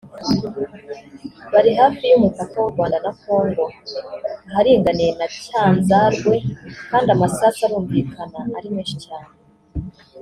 bari hafi y’umupaka w’u Rwanda na Congo aharinganiye na Cyanzarwe kandi amasasu arumvikana ari menshi cyane